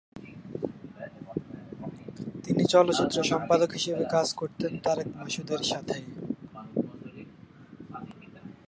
তিনি চলচ্চিত্র সম্পাদক হিসেবে কাজ করতেন তারেক মাসুদের সাথে।